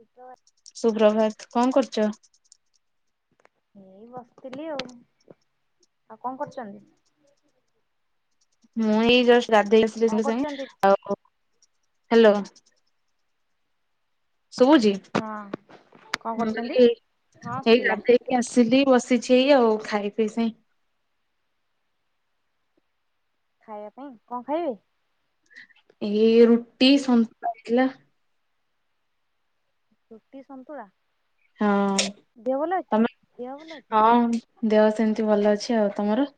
ଏଇ ସୁପ୍ରଭାତ କଣ କରୁଚ? ଏଇ ବସିଥିଲି ଆଉ ଆଉ କଣ କରୁଚନ୍ତି ମୁଁ ଏଇ ଯଷ୍ଟ ଗାଧେଇ ଆସିଲି ସାଙ୍ଗେ ସାଙ୍ଗେ କରୁଛନ୍ତି? ଆଉ ହାଲୋ ଶୁବୁଚି ହଁ କଣ କରୁଛନ୍ତି? ହଁ ଏଇ ଶୁଭିଲା। ଗାଧେଇକି ଆସିଲି ବସି ଛି ଆଉ ଖାଇ ପିଇ ସାରି ଖାଇବା ପାଇଁ କଣ ଖାଇବେ? ଏଇ ରୁ ରୁଟି ସନ୍ତୁଳା ହେଇଥିଲା ରୁଟି ସନ୍ତୁଳା। ହଁ ଓହୋ। ଦେହ ଭଲ ଅଛି ତମେ ଦେହ ଭଲ ଅଛି ହଁ ଦେହ ସେମିତି ଭଲ ଅଛି ଆଉ ତମର।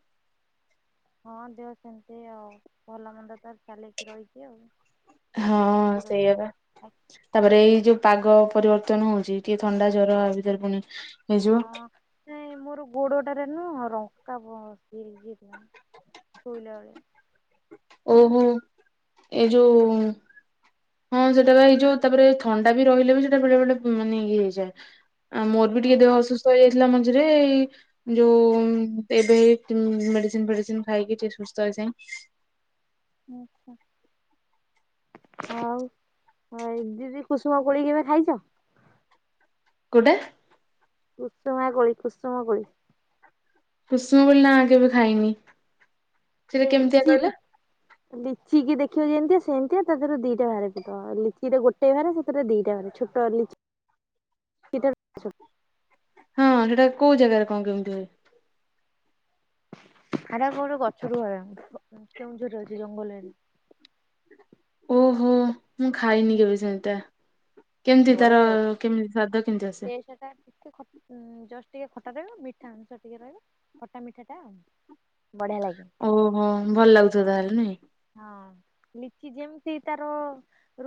ହଁ ଦେହ ସେମିତି ଆଉ ଭଲ ମନ୍ଦ ତ ଚାଲିକି ରହିଛି ଆଉ ହଁ ଲାଗିକି ରହିଛି ସେଇଆ ହଁ। ତାପରେ ଏଇ ଯୋଉ ପାଗ। ପରିବର୍ତ୍ତନ ହଉଛି ଟିକେ ଥଣ୍ଡା ଜର ଭିତରେ ପୁଣି ହେଇଯିବ ହଁ ସେ ମୋର ଗୋଡଟାରେ ନୁହଁ ରକା ପଜିଥିଲା ଶୋଇଲା ବେଳେ। ଓଃ ହୋ ଏ ଯୋଉ ହଁ ସେଟା ବା ଏଇ ଯୋଉ ତାପରେ ଥଣ୍ଡା ସେଟା ବି ରହିଲେ ବି ସେଟା ବେଳେ ବଳେ ମାନେ ଇଏ ହେଇଯାଏ। ଆଉ ମୋର ବି ଟିକେ ଦେହ ଅସୁସ୍ଥ ହେଇଯାଇଥିଲା। ଥିଲା ମଝିରେ ଏଇ ଯୋଉ ଏବେ ମେଡିସିନ ଫେଡିସିନ ଖାଇକି ଟିକେ ସୁସ୍ଥ ହେଇ ଛ ଆଉ ଦିଦି କୁସୁମ କୋଳି କେବେ ଖାଇଛ କୋଉଟା। କୁସୁମା କୋଳି କୁସମ କୋଳି। କୁସୁମ କୋଲି ନା ଆ କେବେ ଖାଇନି। ସେଟା ଯୋଉ କେମିତିଆ ଲିଚି କହିଲ। ଲିଚି କି ଦେଖିବ ଯେମତିଆ ସେମିତିଆ ତାରେ ଦିଟା ବାାରେ ଫୁଟ ଲିଚିଟା ଗୋଟେ ବାହାରେ ସେଥିରେ ଦିଟା ବାାରେ ଛୋଟି। ହଁ ସେଟା କୋଉ ଜାଗାରେ କଣ କେମିତି ହୁଏ। ଆ ଆର କୋଉ ଗୋଟେ ଗଛ ରୁ ହୁଏ କେଉଁଝର ରହିଛି ଜଙ୍ଗଲରେ। ଓଃ ହୋ। ମୁଁ ଖାଇନି କେବେ ସେମିତିଆ। କେମିତି ତାର ବଢିଆ ଲାଗେ। କେମିତି ସ୍ଵାଦ କେମିତି ଆସେ? ଟିକେ ଖଟା ରହିବ ମିଠା ଅଂଶ ଟିକେ ରହିବ ଖଟା ମିଠା ଟା ଆଉ। ଓଃ ହୋ ଭଲ ଲାଗୁଥିବ ତାହେଲେ ନାଇଁ। ହଁ ଲିଚି ଯେମିତି ତାର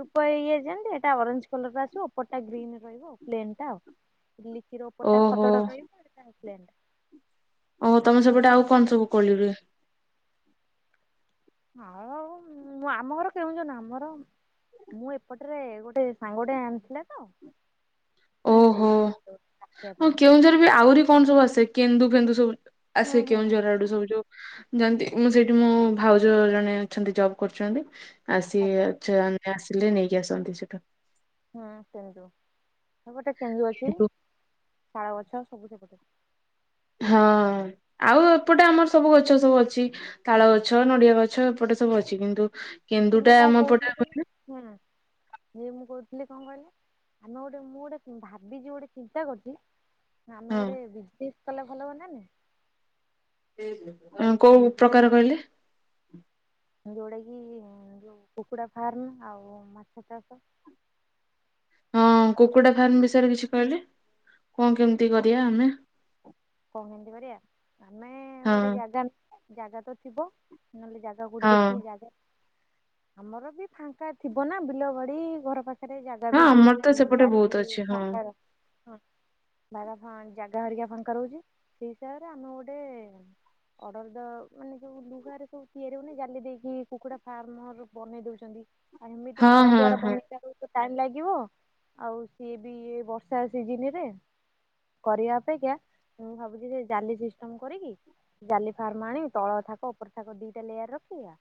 ରୂପ ଇଏ ଯେମତି ଏଟା ଅରେଞ୍ଜ କଲର ଆସିବ ଉପରଟା ଗ୍ରୀନ ରେ ରହିବ ପ୍ଲେନ୍ ଟା। ଲିଚି ର ଉପରଟା ଓହୋ ଖଦଡ ରହିବ ଏଟା ପ୍ଲେନ। ଓ ତମେ ସେପଟେ ଆଉ କଣ ସବୁ କୋଳି ରୁହେ? ହଁ ଆଉ ଆମ ଘର କେଉଁଝର ନୁହେଁ ଆମ ଘର ମୁଁ ଏପଟରେ ଗୋଟେ ସାଙ୍ଗ ଟେ ଆଣିଥିଲା ତ। ହଁ ଓହୋ ଦେଇଥିଲା ଚାଖିବା ହଁ ପାଇଁ। କେଉଁଝର ବି ଆହୁରି କଣ ସବୁ ଆସେ କେନ୍ଦୁ ଫେନ୍ଦୁ ସବୁ ହୁଁ ଆସେ ହୁଁ କେଉଁଝର ଆଡୁ ସବୁ ଯୋଉ। ଯେମତି ମୁଁ ସେଇଠି ମୋ ଭାଉଜ ଜଣେ ଅଛନ୍ତି ଜବ୍ କରୁଚନ୍ତି। ଆସି ଆଜ୍ଞା ଅଛ ଆମେ ଆସି ଲେ ନେଇକି ଆସନ୍ତି ସେଟା। ହୁଁ କେନ୍ଦୁ। ସେପଟେ କେନ୍ଦୁ ଅଛି କିନ୍ତୁ ଶାଳ ଗଛ ସବୁ ସେପଟେ। ହଁ ଆଉ ଏପଟେ ଆମର ସବୁ ଗଛ ସବୁ ଅଛି। ତାଳ ଗଛ ନଡିଆ ଗଛ ଏପଟେ ସବୁ ଅଛି କିନ୍ତୁ କି କେନ୍ଦୁଟା ମୁୁ କଣ ଆମ ଏପଟେ କହୁଥିଲି କହିଲେ। ହକହିଲ ହୁଁ। ହେଇ ମୁଁ କହୁଥିଲି କଣ କହିଲ, ଆମେ ଗୋଟେ ମୁଁ ଗୋଟେ ଭାବିଛି ଗୋଟେ ଚିନ୍ତା କରିଚି ହଁ ଆମେ ଗୋଟେ ବିଜ କଲେ ଭଲ ହୁଅନ୍ତାନି? କୋଉ ପ୍ରକାର କହିଲେ? ଯଉଟା କିି ଯୋଉ କୁକୁଡ଼ା ଫାର୍ମ ଆଉ ମାଛ ଚାଷ। ହଁ କୁକୁଡା ଫାର୍ମ ବିଷୟରେ କିଛି କହିଲେ? କଣ କେମିତି ହଁ କରିବା ଆମେ? କଣ କେମତି କରିବାଆ ଆମେ ହଁ ଗୋଟେ ଜାଗା, ଜାଗା ତ ଥିବ। ନହେଲେ ଜାଗା କଉଠି ହଁ ଦେଖିକି ଯା ଆମର ବି ଫାଙ୍କା ଥିବ ନା ବିଲ ଗଡି ଘର ପାଖରେ ପାଖରେ ଜାଗା ହଁ ବି ଆମର ତ ବହୁତ ସେପଟେ ବାଡ଼ି ବହୁତ ବି ଅଛି ହଁ ଫା ହଁ ବଜାଗା ଫା ଜାଗା ହରିକା ଫାଙ୍କା ରହୁଚି। ସେଇ ହିସାବରେ ଆମେ ଗୋଟେ ଅର୍ଡର ଦ ମାନେ ଯ ଲୁହରେ ସବୁ ତିଆରି ହଉନି ଜାଲି ଦେଇକି କୁକୁଡା ଫାର୍ମ ଅ ବନେଇ ଦଉଚନ୍ତି। ଆଉ ଏମିତି ହଁ ଘର ହଁ ଦ୍ୱାର ହଁ ବନେଇଲା ବ ଟାଇମ ଲାଗିବ ଆଉ ସିଏ ବି ବର୍ଷା ସିଜନରେ କରିବା ଅପେକ୍ଷା ମୁଁ ଭାବୁଚି ସେ ଜାଲି ସିଷ୍ଟମ କରିକି ଜାଲି ଫାର୍ମ ଆଣି ତଳ ଥାକ ଉପର ଥାକ ଦିଟା ଲେୟାର ରଖିବା।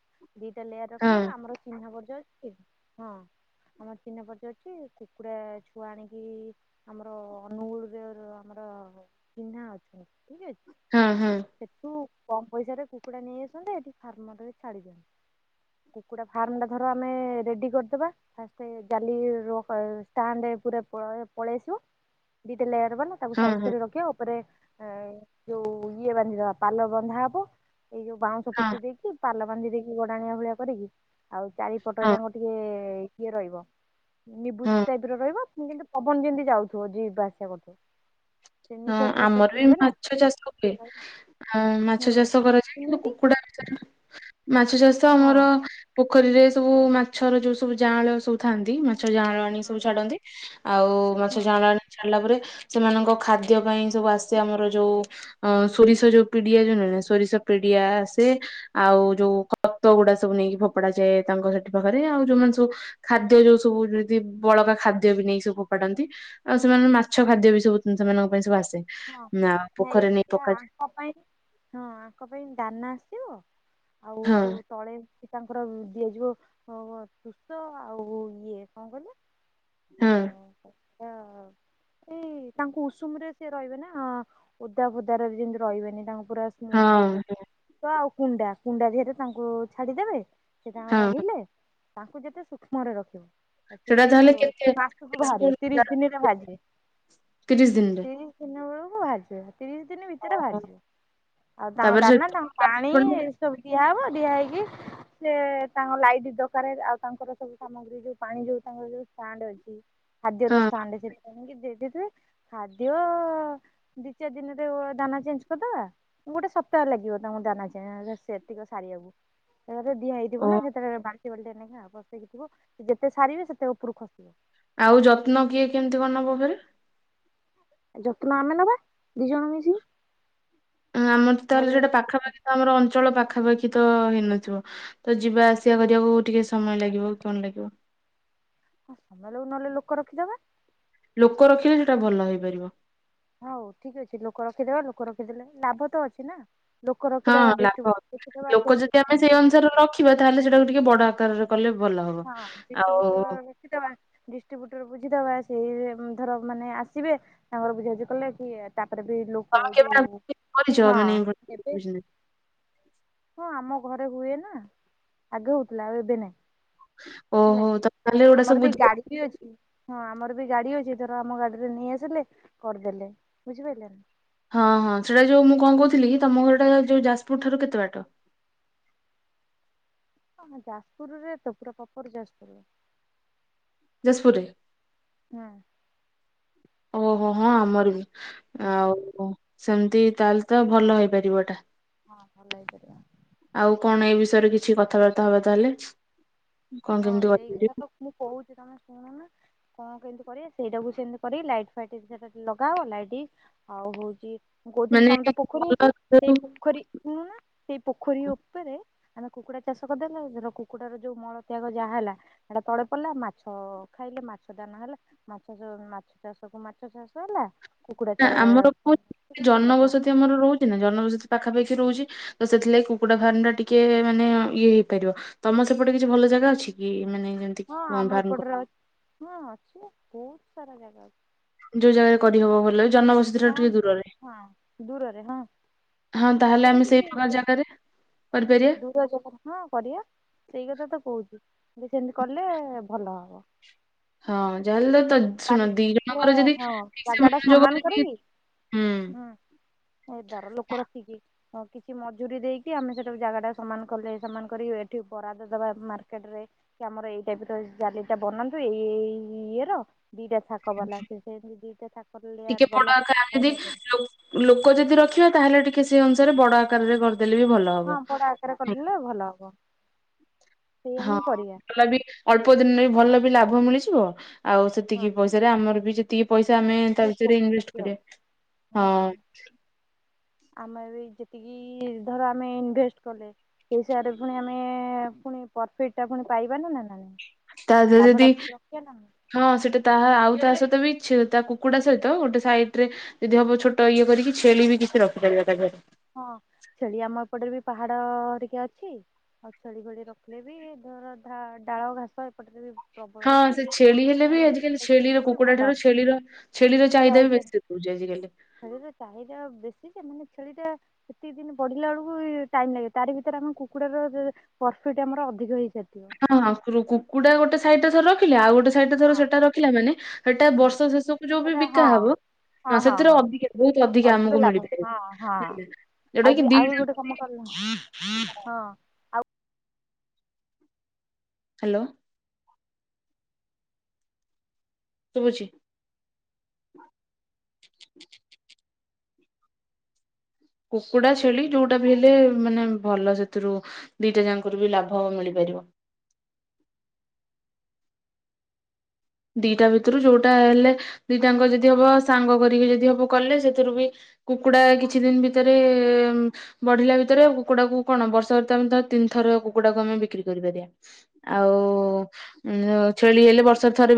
ଦିଟା ଲେୟାର ହଁ। ରଖିନି ଆମର ଚିହ୍ନା ପ ଅ ହଁ ଆମର ଚିହ୍ନା ପରିଚୟ ଅଛି। କୁକୁଡା ଛୁଆ ଆଣିକି ଆମର ଅନୁଗୁଳରେ ଆମର ଚିହ୍ନା ଅଛନ୍ତି ଠିକ ଅଛି। ହଁ, ହଁ, ସେଠୁ କମ ପଇସାରେ କୁକୁଡ଼ା ନେଇ ଆସନ୍ତେ ଏଠି ଫାର୍ମ ରେ ଛାଡି ଦିଅନ୍ତ। କୁକୁଡ଼ା ଫାର୍ମ ଟା ଧର ଆମେ ରେଡି କରିଦବା ଫାଷ୍ଟ ଜାଲି ର ଷ୍ଟାଣ୍ଡ ପୁରା ପଳ ପଳେଇ ଆସିବ ଦିଟା ଲେୟର ବାଲା ତାକୁ ହଁ, ସାଇଜ ହଁ, ରଖିବା ଆଉ। ତାପରେ ଯୋଉ ଇଏ ବାନ୍ଧିଦବା ପାଲ ବନ୍ଧା ହବ ଏଇ ଯୋଉ ବାଉଁଶ ହଁ, ପୋତି ଦେଇକି ପାଲ ବାନ୍ଧି ଦେଇକି ଗଡାଣିଆ ଭଳିଆ କରିକି ଆଉ ଚାରିପଟ ହଁ, ଯାକ ଟିକେ କିଏ ରହିବ? ନିବୁଜ ହଁ, ଟାଇପର ରହିବ କିନ୍ତୁ ପବନ ଯେମତି ଯାଉଥିବ ଯିବା ଆସିବା କରୁଥିବ। ସେ ହଁ ନିଶ୍ୱାସ ପ୍ରଶ୍ୱାସ ଆମର ବି ନେବେ ନା ମାଛ ଚାଷ ହୁଏ ମାଛ ହୁଁ ଚାଷ କରାଯାଏ କିନ୍ତୁ ଶୁଣୁନାହାନ୍ତି କୁକୁଡା ମାଛ ଚାଷ ହଁ ଆମର ପୋଖରୀରେ ସବୁ ମାଛର ଯୋଉ ସବୁ ଯାଆଁଳ ସବୁ ଥାନ୍ତି ମ ମାଛ ଜାଆଁଳ ଆଣି ସବୁ ହଁ ଛାଡନ୍ତି ଆଉ ମାଛ ହଁ ଜାଆଁଳ ଆଣି ଛାଡ଼ିଲା ପରେ ସେମାନଙ୍କ ଖାଦ୍ୟ ଖାଦ୍ୟ ପାଇଁ ସବୁ ଆସେ ଆମର ଯୋଉ ସୋରିଷ ଯୋଉ ପିଡିଆ ଯୋଉ ସୋରିଷ ପିଡିଆ ଆସେ ଆଉ ଯୋଉ ଖତ ଗୁଡା ସବୁ ନେଇକି ଫୋପଡା ଯାଏ ତାଙ୍କ ସେଠି ପାଖରେ ଆଉ ଯୋଉମାନେ ସବୁ ଖାଦ୍ୟ ଯୋଉ ସବୁ ଯି ବଳକା ଖାଦ୍ୟ ବି ନେଇକି ସବୁ ଫୋପାଡନ୍ତି ଆଉ ସେମାନେ ମାଛ ଖାଦ୍ୟ ବି ସବୁ ସେମାନଙ୍କ ପାଇଁ ସବୁ ଆସେ। ହଁ ନା ଏ ପୋଖରୀରେ ନେଇ ପକାଯାଏ ଆଙ୍କ ପାଇଁ ହଁ ଆଙ୍କ ପାଇଁ ଦାନା ସିବ ଆଉ ହଁ ଯୋଉ ତଳେ ତାଙ୍କର ଦିଆଯିବ ତୁଷ ଆଉ ଇଏ କଣ କହିଲେ ହଁ। ଅ ଏଇ ତାଙ୍କୁ ଉଷୁମ ରେ ରହିବେ ନା ହଁ ଓଦା ଫୁଦାରେ ବି ଯେମିତି ରହିବେନି ତାଙ୍କ ପୁରା ସ୍ମୁଥ୍ ଜାଗାରେ ହଁ ତ ଆଉ କୁଣ୍ଡା କୁଣ୍ଡା ଦେହରେ ତାଙ୍କୁ ଛାଡିଦେବେ ସେ ଯା ହଁ। ରହିଲେ ତାଙ୍କୁ ଯେତେ ସୂକ୍ଷ୍ମରେ ରଖିବ ଆ ସେ ସେଟା ବି ତାହେଲେ କେତେ ମାସକୁ ବାହାରିବ ଯାଜପୁର ଯା ତିରିଶ ଦିନରେ ଭାଗେ। ତିରିଶ ଦିନରେ। ଦିନବେଳକୁ ଭାରି ଯିବ। ତିରିଶ ଦିନ ଭିତରେ ଓହୋ। ବାହାରିଯିବ ଆଉ ତାଙ୍କ ତାପରେ ଦାନା ସେଠୁ ତାଙ୍କ ପାଣି ପୁଣି ଏସବୁ ଦିଆହବ ଦିଆ ହେଇକି ସେ ତାଙ୍କ ଲାଇଟ୍ ଦରକ ଆଉ ତାଙ୍କର ସବୁ ସାମଗ୍ରୀ ଯୋଉ ପାଣି ଯୋଉ ତାଙ୍କର ଷ୍ଟାଣ୍ଡ ଅଛି [unintelligible] ହଁ [unintelligible] ଦିଅ ଦି ଚାରି ଦିନରେ ଦାନା ଚେଞ୍ଜ କରିଦବା ଗୋଟେ ସପ୍ତାହ ଲାଗିବ ତାଙ୍କ ଦାନା ଚେଞ୍ଜ ସେତିକି ସାରିବାକୁ। ସେ ଦିଆ ହେଇଥିବ ଓ ନା ସେ ବସେଇକି ଥିବ ଯେତେ ସାରିବେ ସେତେ ଉପରୁ ଖସିବ। ଆଉ ଯତ୍ନ କିଏ କେମିତି କଣ ନବ ଫେରେ? ଯତ୍ନ ଆମେ ନବା ଦି ଜଣ ମିଶିକି। ଆମର ତାହେଲେ ନହେଲେ ସେଟା ପାଖାପାଖି ତ ଆମର ଅଞ୍ଚଳ ପାଖ ପାଖାପାଖି ତ ହେଇନଥିବ ତ ଯିବା ଆସିବା କରିବାକୁ ଟିକେ ସମୟ ଲାଗିବ କଣ ଲାଗିବ? ହ ନହେଲେ ଲୋକ ରଖିଦବା। ଲୋକ ରଖିଲେ ସେଟା ଭଲ ହେଇପାରିବ। ହଉ ଠିକ ଅଛି ଲୋକ ରଖିଦେବା ଲୋକ ରଖିଦେଲେ ଲାଭ ତ ଅଛି ନା। ଲୋକ ହଁ ରଖିଦବା ଲାଭ ଡିଷ୍ଟ୍ରିବ୍ୟୁଟ ରଖିଦବା ଅଛି ଲୋକ ଯଦି ଆମେ ସେଇ ଡିଷ୍ଟ୍ରି ଅନୁସାରେ ରଖିବା ତାହେଲେ ସେଟାକୁ ଟିକେ ବଡ ଆକାରରେ କଲେ ଭଲ ହବ। ହଁ ଆଉ ଡିଷ୍ଟ୍ରିବ୍ୟୁଟର ରଖିଦବା ଡିଷ୍ଟ୍ରିବ୍ୟୁଟର ବୁଝିଦବା ସେଇ ଉମ୍ ଧର ମାନେ ଆସିବେ ତାଙ୍କର ବୁଝାୁଵୁଝି କଲେ କିଏ ତା ଏଵେ ବି ଲୋକ ତମେ କେବେ ଯଉ ଆଗରୁ କରିଛ ହଁ ମାନେ ଏଇ ଭଳି ଏବେ ହଁ ଆମ ଘରେ ହୁଏ ନା ଆଗେ ହଉଥିଲା ଆଉ ଏବେ ନାଇଁ। ହେଲା ଓହୋ ତମେ ତାହେଲେ କି ଏଗୁଡା ଆମର ସବୁ ବି ଗାଡି ବୁଝି ବି ଅଛି। ହଁ ଆମର ବି ଗାଡି ଅଛି ଧର ଆମ ଗାଡିରେ ନେଇ ଆସିଲେ କରିଦେଲେ ବୁଝିପାଇଲେନା। ହଁ ହଁ ସେଟା ଯୋଉ ମୁଁ କଣ କହୁଥିଲି ତମ ଘରଟା ଯୋଉ ଯାଜପୁର ଠାରୁ କେତେ ବାଟ? ହଁ ହଁ ଯାଜପୁର ରେ ତ ପୁରା ପପର୍ ଯାଜପୁରରେ। ଯାସପୁରରେ ହୁଁ ଓହୋ! ହଁ ଆମର ବି ସ୍ ହୁଁ ଆଉ କଁ ସେମତି ତା ହେଲେ ତ ଭଲ ହେଇପାରିବ ଏଟା। ହଁ ହଁ ଭଲେଇକି କରିଆ। ଆଉ କଣ? ଏ ବିଷୟରେ କିଛି କଥାବାର୍ତ୍ତା ହବା ତାହେଲେ। କଣ ହଁ କେମିତି ସେଇ କଥା କରିପାରିବା ତ ମୁଁ କହୁଛି ତମେ କଣ ନା କଣ କେମତି କରିବା ସେଇଟାକୁ ସେମତି କରି ଲାଇଟ୍ ଫାଇଟ ଦି ଚାର୍ ଟା ଲଗାହବ ଲାଇଟି ଆଉ ହଉଛି ମୁଁ କହୁଥିଲି ମାନେ ତମର ତ ପୋଖରୀ ଅଛି ଭଲ ଯୋଉ ସେଇ ପୋଖରୀ ଶୁଣୁନା ସେଇ ପୋଖରୀ ଉପେରେ ଆମେ କୁକୁଡ଼ା ଚାଷ କରିଦେଲେ ଧର କୁକୁଡାର ଯୋଉ ମଳ ସେଗୁଆକ ଯାହା ହେଲା ସେଟା ତଳେ ପଡିଲା ମାଛ ଖାଇଲେ ମାଛ ଦାନା ହେଲା ମାଛ ମାଛ ଚାଷ କୁ ମାଛ ଚାଷ ହେଲା। କୁକୁଡ଼ା ନା ଚା ଆମର କଣ ହଉଛି କୁକୁଡ଼ା ଫାର୍ମ ଜନବସତି ଆମର ରହୁଛି ନା ଜନବସତି ପାଖାପାଖି ରହୁଛି। ତ ସେଥିଲାଗି କୁକୁଡା ଫାର୍ମ ଟା ଟିକେ ମାନେ ଇଏ ହେଇପାରିବ। ତମ ସେପଟେ କିଛି ଭଲ ଜାଗା ଅଛି କି? ମାନେ ଯେମିତି କି ହଁ ଆମ ଫାର୍ମ ଏପଟରେ ଅଛି ହଁ ଅଛି ବହୁତ। ସାରା ଜାଗା ଅଛି। ଯୋଉ ଜାଗାରେ କରିହବ ଭଲ ଅଛି। ହଁ ହଁ ଦୂରରେ ହଁ ହଁ ତାହେଲେ ସେଠି ଆମେ ସେଇ ପ୍ରକାର କିଛି ଜାଗାରେ କରିପାରିବା ଦୂର ଜାଗା ହଁ କରିବା ସେଇ କଥା ତ କହୁଛି ଯେ ସେମିତି କଲେ ଭଲ ହବ। ହଁ ଯାହେଲତ ଶୁଣ ବାଲି ଦି ଜଣଙ୍କର ଯଦି ଠିକ୍ ସେ ମନଯୋଗ କହିଁକି ହୁଁ ଏ ଦାର ଲୋକ ରଖିଚି ହଉ କିଛି ମଜୁୁରୀ ଦେଇକି ଆମେ ସେଟାକୁ ଜାଗା ଟା ସମାନ କଲେ ସମାନ କରି ଏଠି ବରାଦ ଦବା ମାର୍କେଟ ରେ କି ଆମର ଏଇ ଟାଇପ୍ ର ଜାଲି ଟା ବନାନ୍ତୁ ଏଇଇ ଇ ଇଏ ର ଦିଟା ଥାକ ବାଲା ସେ ସେମିତି ଦିଟା ଥାକର ଟିକେ ଲେୟାର ବଡ ବାଲା ବନେଇ ଆକାରେରେଇକି ଲୋକ ଯଦି ରଖିବା ତାହେଲେ ଟିକେ କି ସେ ଅନୁସାରେ ବଡ ଆକାରରେ କରି ହଁ ବଡ ଆକାରେ କରିଲେ ଭଲ ହବ। ସେଇଆ ହଁ ହିଁ କରିବା ଭଲ ବି ଅଳ୍ପ ଦିନରେବି ଭଲ ଵି ସେମତି ଵି ଲାଭ ମିଳିଯିବ। ଆଉ ହଁ ସେତିକି ପଇସାରେ ଆମର ବି ଯେତିକି ପଇସା ଆମର ଆମେ ବି ତା ଭିତେରେ ଉପକୃତ ଇନଭେଷ୍ଟ ବି ହବ କରିବା। ହଁ ଆମେ ଯେତିକି ଧର ଆମେ ଇନଭେଷ୍ଟ କଲେ ସେଇ ହିସାବରେ ପୁଣି ଆମେ ପୁଣି ପ୍ରଫିଟ ଟା ପୁଣି ପାଇବା ନା ନା। ତା ଦେହରେ ଯଦି ଲାଭଟା ରଖିବା ନା ନାଇଁ। ହଁ ସେଟା। ତାହା ଆଉ ତା ସହିତ ବି ତା କୁକୁଡା ସହିତ ଗୋଟେ ସାଇଡ ରେ ଯଦି ହବ ଛୋଟ ଇଏ କରିକି ଛେଳି ବି କିଛି ରଖିପାରିବା ତାରେ। ହଁ ଛେଳି ଆମ ଏପଟରେ ବି ବାହାର। ଡ଼ ଟିକେ ଅଛି ଆଉ ଛେଳି ଫେଳି ରଖିଲେ ବି ଧର ଡାଳ ଘାସ ଏପଟରେ। ପ୍ରବଳ ହଁ ଅଛି। ସେ ଛେଳି ହେଲେ ବି ଆଜିକାଲି ଛେଳି ଛେଳିର ଦେଲେ ବି କୁକୁଡା ଭଲ ଠାରୁ ଛେଳିର ଛେଳିର ଚାହିଦା ବି ବେଶୀ ଦଉଛି ଆଜିିକାଲି। ଛେଳିର ଚାହିଦା ବେଶୀ ମାନେ ଛେଳିଟା। ଏତେ ଦିନ ବଢିଲା ବେଳକୁ ଟାଇମ ଲାଗେ ତାରି ଭିତରେ ଆମ କୁକୁଡା ର ପ୍ରଫିଟ ଆମର ଅଧିକ ହେଇଥାଏ। ହଁ ହଁ କୁକୁଡା ଗୋଟେ ସାଇଡ ଥର। ଆଉ ଗୋଟେ। ଟର ସେଟା ରଖିଲା ମାନେ ସେଟା ହଁ ବର୍ଷ ଶେଷକୁ ଯୋଉ ବି ସେଇଟା ବିକା ହଁ ହବ ହଁ ହଁ ସେଥିରେ ହଁ। ଅଧିକା ବହୁତ ଅଧିକା ଅଧିକ ଆମକୁ ଲାଭ ମିଳିପାର ହଁ ହଁ ଯୋଉଟା ଆଉ କି ବି ଦି। ଆଉ ବି ଗୋଟେ କାମ କଲ ହଁ ହ୍ୟାଲୋ। ଶୁଭୁଛି। କୁକୁଡା ଛେଳି ଯୋଉଟା ବି ହେଲେ ମାନେ ଭଲ ସେଥିରୁ ଦିଟା ଜାଙ୍କର ବି ଲାଭ ମିଳିପାରିବ। ଦିଟା ଭିତରୁ ଯୋଉଟା ହେଲେ ଦିଟାଙ୍କ ଯଦି ହବ ସାଙ୍ଗ କରିକି ଯଦି ହବ କଲେ ସେଥିରୁ ବି କୁକୁଡା କିଛି ଦିନ ଭିତରେ ବଢିଲା ଭିତରେ କୁକୁଡାକୁ କଣ ବର୍ଷମ ତିନି ଥର କୁକୁଡାକୁ ଆମେ ବିକ୍ରି କରିପାରିବା ଆଉ ଛେଳି ହେଲେ ବର୍ଷ ଥର ବି।